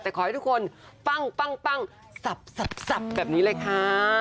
แต่ขอให้ทุกคนปั้งสับแบบนี้เลยค่ะ